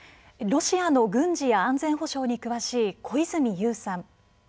ロシアの軍事や安全保障に詳しい小泉悠さん